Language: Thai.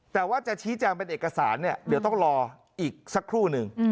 แต่ว่าจะชี้แจงเป็นเอกสารเนี่ยเดี๋ยวต้องรออีกสักครู่หนึ่ง